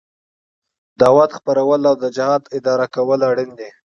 دعوت خپرول او د جهاد اداره کول اړين دي.